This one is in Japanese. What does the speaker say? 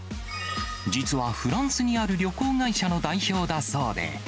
実はフランスにある旅行会社の代表だそうで。